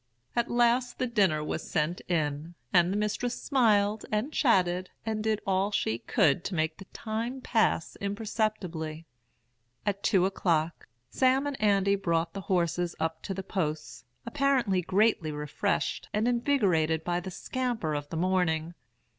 "At last the dinner was sent in, and the mistress smiled and chatted, and did all she could to make the time pass imperceptibly. "At two o'clock, Sam and Andy brought the horses up to the posts, apparently greatly refreshed and invigorated by the scamper of the morning.